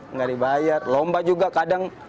nggak dibayar lomba juga kadang